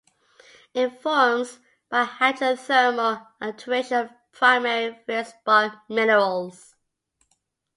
It forms by hydrothermal alteration of primary feldspar minerals.